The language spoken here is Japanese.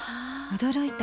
驚いた。